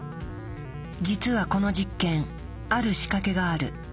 実はこの実験ある仕掛けがある。